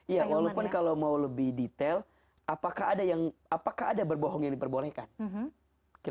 ya ini kalau mau lebih detail apakah ada yang apakah ada berbohong yang diperbolehkan mungkin